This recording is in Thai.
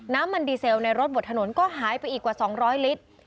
น้ำมันดีเซลในรถบนถนนก็หายไปอีกกว่า๒๐๐ลิตร